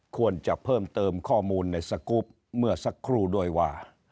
ควรจะเพิ่มเติมข้อมูลในสกรูปเมื่อสักครู่ด้วยว่า